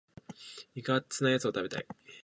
肉厚なやつ食べたい。